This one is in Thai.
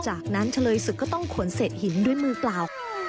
จากนั้นเฉลยศึกก็ต้องขนเศษหินด้วยมือเปล่า